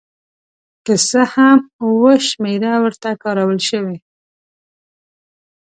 که څه هم اوه شمېره ورته کارول شوې.